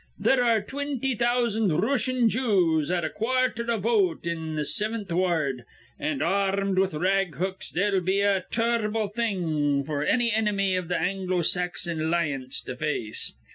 There ar re twinty thousan' Rooshian Jews at a quarther a vote in th' Sivinth Ward; an', ar rmed with rag hooks, they'd be a tur rble thing f'r anny inimy iv th' Anglo Saxon 'lieance to face.